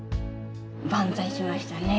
万歳しましたね。